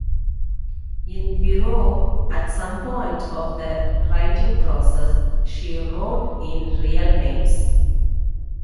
In biro, at some point of the writing process, she wrote in real names.